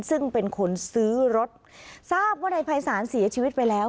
ซึ่งเป็นคนซื้อรถทราบว่านายภัยศาลเสียชีวิตไปแล้ว